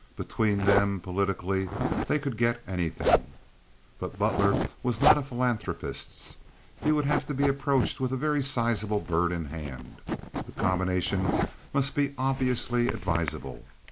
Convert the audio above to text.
Between them, politically, they could get anything. But Butler was not a philanthropist. He would have to be approached with a very sizable bird in hand. The combination must be obviously advisable.